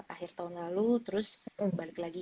akhir tahun lalu terus balik lagi